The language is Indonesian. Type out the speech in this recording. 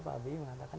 pak habibie mengatakan